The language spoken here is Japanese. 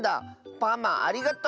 パマありがとう！